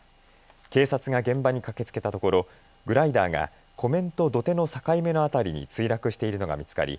警察が現場に駆けつけたところグライダーが湖面と土手の境目の辺りに墜落しているのが見つかり